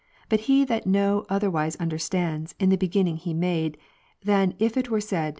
But he that no otherwise understands In the Beginning He made, than if it were said.